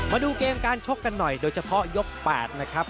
มาดูเกมการชกกันหน่อยโดยเฉพาะยก๘นะครับ